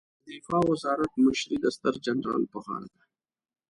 د دفاع وزارت مشري د ستر جنرال په غاړه ده